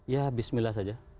ya bismillah saja